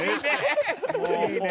いいね！